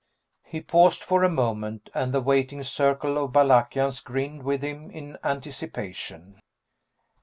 He paused for a moment, and the waiting circle of Balakians grinned with him in anticipation.